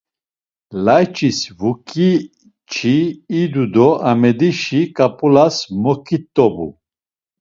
Layç̌is vuǩii-çi idu do Amedişi ǩap̌ulas moǩit̆obu.